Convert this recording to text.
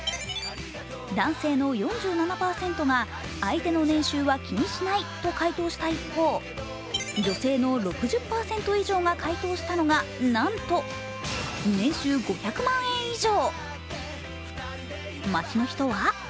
男性の４７％が相手の年収は気にしないと回答した一方、女性の６０％以上が回答したのが、なんと年収５００万円以上。